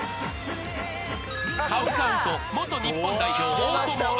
［ＣＯＷＣＯＷと元日本代表大友愛。